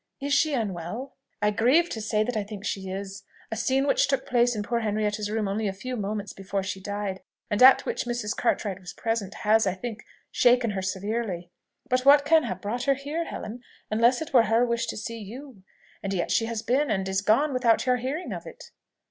"Is she unwell?" "I grieve to say that I think she is. A scene which took place in poor Henrietta's room only a few moments before she died, and at which Mrs. Cartwright was present, has, I think, shaken her severely. But what can have brought her here, Helen, unless it were her wish to see you? And yet she has been, and is gone, without your hearing of it."